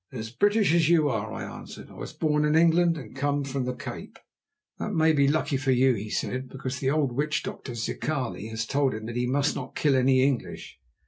"As British as you are," I answered. "I was born in England, and come from the Cape." "That may be lucky for you," he said, "because the old witch doctor, Zikali, has told him that he must not kill any English.